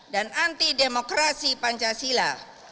dan anti demokrasi pancasila